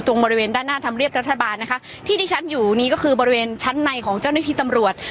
บริเวณด้านหน้าธรรมเรียบรัฐบาลนะคะที่ที่ฉันอยู่นี้ก็คือบริเวณชั้นในของเจ้าหน้าที่ตำรวจ